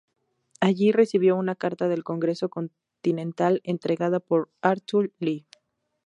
Allí recibió una carta del Congreso Continental, entregada por Arthur Lee.